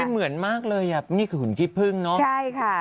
เหมือนมากเลยนี่คือหุ่นกี้พึ่งเนาะ